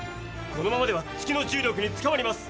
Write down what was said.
このままでは月の重力につかまります。